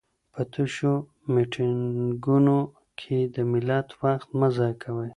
په تشو میټینګونو کي د ملت وخت مه ضایع کوئ.